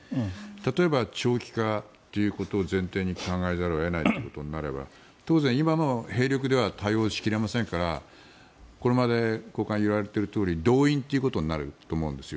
例えば長期化ということを前提に考えざるを得ないということになると当然、今の兵力では対応しきれませんからこれまで言われているとおり動員ということになると思うんです。